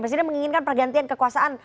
presiden menginginkan pergantian kekuasaan